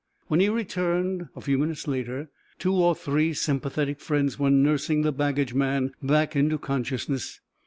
When he returned, a few minutes later, two or three sympathetic friends were nursing the baggage man back into consciousness.